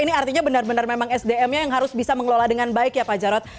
ini artinya benar benar memang sdm nya yang harus bisa mengelola dengan baik ya pak jarod